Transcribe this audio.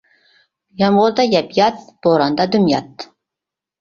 يامغۇردا يەپ يات، بوراندا دۈم يات.